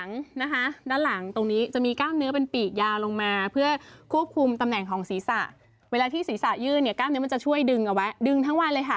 กล้ามเนื้อมันจะช่วยดึงเอาไว้ดึงทั้งวันเลยค่ะ